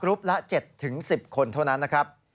ละ๗๑๐คนเท่านั้นนะครับ